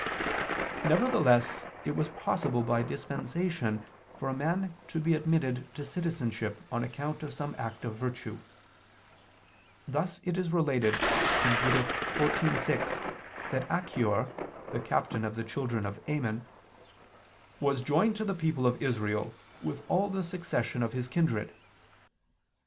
Nevertheless it was possible by dispensation for a man to be admitted to citizenship on account of some act of virtue: thus it is related (Judith 14:6) that Achior, the captain of the children of Ammon, "was joined to the people of Israel, with all the succession of his kindred."